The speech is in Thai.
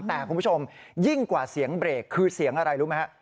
แต่คุณผู้ชมยิ่งกว่าเสียงเบรกคือเสียงอะไรรู้ไหมฮะ